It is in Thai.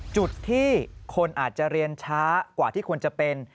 จุดที่คนอาจจะเรียนช้ากว่าที่ควรจะเป็น